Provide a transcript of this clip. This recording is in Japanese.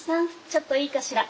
ちょっといいかしら？